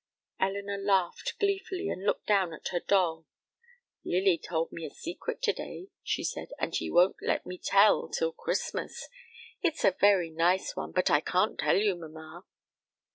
Elinor laughed gleefully, and looked down at her doll. "Lily told me a secret to day," she said, "and she won't let me tell till Christmas. It's a very nice one, but I can't tell you, mamma."